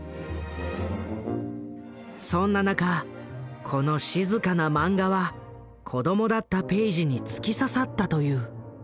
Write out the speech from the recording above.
そんな中この静かなマンガは子供だったペイジに突き刺さったという。